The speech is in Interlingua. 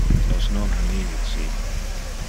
Nos non ha nive ci.